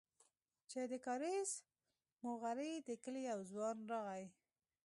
چې د کاريز موغري د کلي يو ځوان راغى.